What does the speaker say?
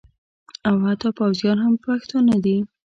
او حتی پوځیان هم پښتانه دي